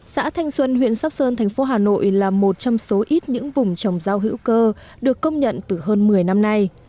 xã thanh xuân huyện sóc sơn thành phố hà nội là một trong số ít những vùng trồng rau hữu cơ được công nhận từ hơn một mươi năm nay